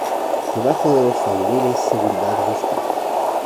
debajo los laureles seguridad buscó.